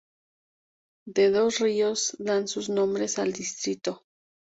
Los dos ríos dan sus nombres al distrito.